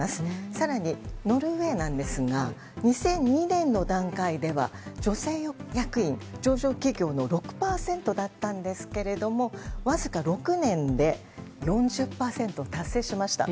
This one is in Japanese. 更にノルウェーなんですが２００２年の段階では女性役員は上場企業の６％だったんですがわずか６年で４０％を達成しました。